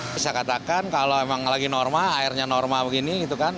bisa katakan kalau emang lagi normal airnya normal begini gitu kan